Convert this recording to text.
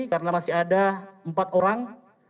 karena masih ada empat orang